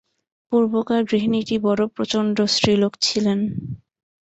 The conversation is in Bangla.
পূর্বকার গৃহিণীটি বড়ো প্রচণ্ড স্ত্রীলোক ছিলেন।